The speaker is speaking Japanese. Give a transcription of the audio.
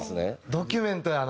ドキュメントやな！